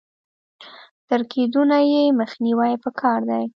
تر کېدونه يې مخنيوی په کار دی.